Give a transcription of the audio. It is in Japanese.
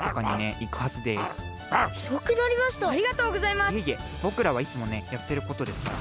いえいえぼくらはいつもねやってることですから。